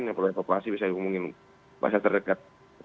yang perlu evakuasi bisa dihubungi dengan bahasa terdekat